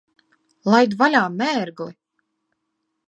Laid vaļā, mērgli!